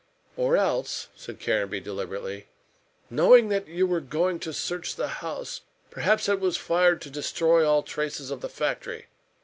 "Or else," said Caranby deliberately, "knowing that you were going to search the house, perhaps it was fired to destroy all traces of the factory.